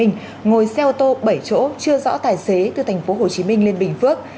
ngồi xe ô tô bảy chỗ chưa rõ tài xế từ tp hcm lên bình phước